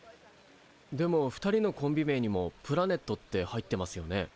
でも２人のコンビ名にも「プラネット」って入ってますよね？